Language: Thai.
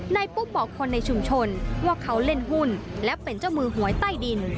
ปุ๊บบอกคนในชุมชนว่าเขาเล่นหุ้นและเป็นเจ้ามือหวยใต้ดิน